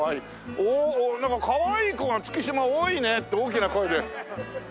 おおおっなんかかわいい子が月島多いね。って大きな声で。